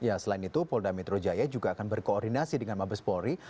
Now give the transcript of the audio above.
ya selain itu polda metro jaya juga akan berkoordinasi dengan mabes polri